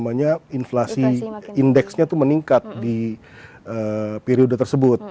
membuat apa namanya inflasi indeksnya itu meningkat di periode tersebut